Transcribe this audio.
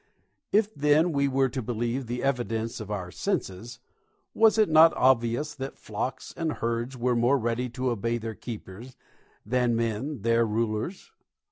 If, then, we were to believe the evidence of our senses, was it not obvious that flocks and herds were more ready to obey their keepers than men their rulers?